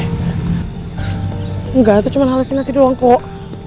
enggak itu cuma halusinasi doang kok